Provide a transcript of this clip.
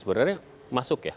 sebenarnya masuk ya